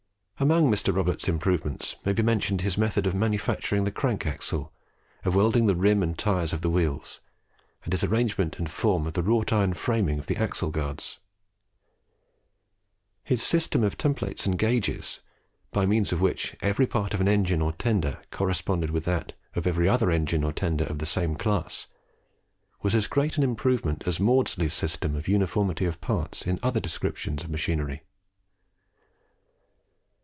Among Mr. Roberts's improvements may be mentioned his method of manufacturing the crank axle, of welding the rim and tyres of the wheels, and his arrangement and form of the wrought iron framing and axle guards. His system of templets and gauges, by means of which every part of an engine or tender corresponded with that of every other engine or tender of the same class, was as great an improvement as Maudslay's system of uniformity of parts in other descriptions of machinery.